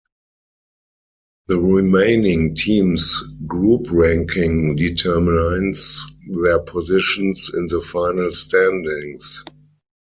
The remaining teams' group ranking determines their positions in the final standings.